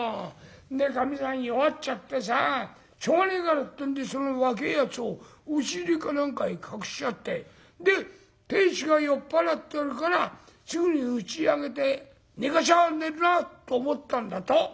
でかみさん弱っちゃってさしょうがねえからってんでその若えやつを押し入れか何かへ隠しちゃってで亭主が酔っ払ってるからすぐにうちへ上げて寝かしゃあ寝るなと思ったんだと。